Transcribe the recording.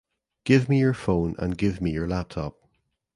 Give me your phone and give me your laptop.